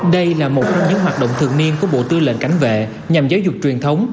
đây là một trong những hoạt động thường niên của bộ tư lệnh cảnh vệ nhằm giáo dục truyền thống